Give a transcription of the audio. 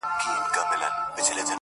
تا يو څو شېبې زما سات دئ راتېر كړى،